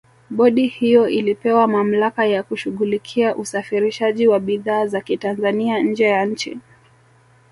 Bodi hiyo ilipewa mamlaka ya kushughulikia usafirishaji wa bidhaa za kitanzania nje ya nchi